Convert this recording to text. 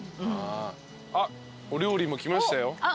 あっお料理も来ましたよ。